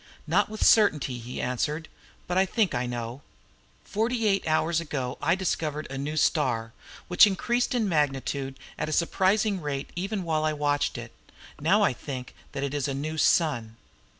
"Not with certainty," he answered. "But I think I know. Forty eight hours ago I discovered a new star, which increased in magnitude at a surprising rate even while I watched it. Now I think that it is a new sun."